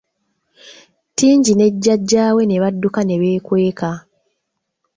Tingi ne jjajja we ne badduka ne beekweka.